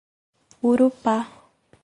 Urupá